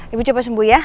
ibu coba sembuh ya